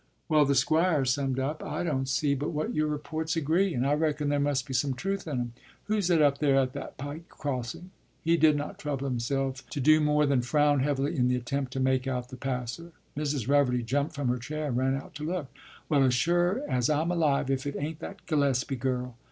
” “Well,” the Squire summed up, “I don't see but what your reports agree, and I reckon there must be some truth in 'em. Who's that up there at the pike crossing?” He did not trouble himself to do more than frown heavily in the attempt to make out the passer. Mrs. Reverdy jumped from her chair and ran out to look. “Well, as sure as I'm alive, if it ain't that Gillespie girl!